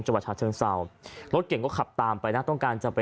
จวาชาชน์เทิงซาวน์รถเก่งก็ขับตามไปนะต้องการจะไปแบบ